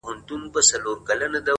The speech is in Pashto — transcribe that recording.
هغه به هغه د هغې دنيا کړي ولاړه به سي!